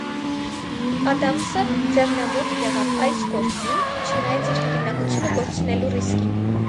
Ադամսը ձեռնամուխ եղավ այս գործին՝ չնայած իր հեղինակությունը կորցնելու ռիսկին։